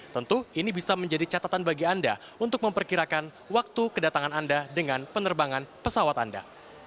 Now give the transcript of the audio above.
tentu ini bisa menjadi catatan bagi anda untuk memperkirakan waktu kedatangan anda dengan penerbangan pesawat anda